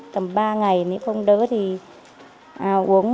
cầm ba ngày nếu không đỡ thì uống